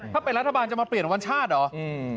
ถ้าเป็นรัฐบาลจะมาเปลี่ยนวันชาติเหรอ